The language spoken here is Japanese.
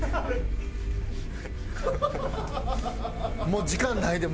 もう時間ないで？